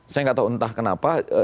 saya nggak tahu entah kenapa